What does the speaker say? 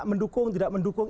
mendukung tidak mendukung